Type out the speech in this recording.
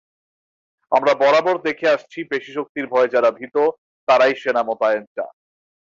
আমরা বরাবর দেখে আসছি পেশিশক্তির ভয়ে যাঁরা ভীত, তঁারাই সেনা মোতায়েন চান।